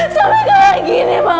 sampai kayak gini pak